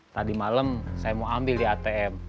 tadi malam saya mau ambil di atm